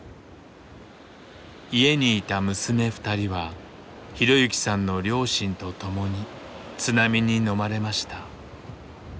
家にいた娘２人は浩行さんの両親と共に津波にのまれました。